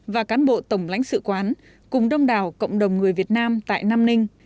và cán bộ tổng lãnh sự quán cùng đông đảo cộng đồng người việt nam tại nam ninh